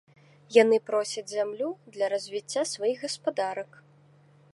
Яны просяць зямлю для развіцця сваіх гаспадарак.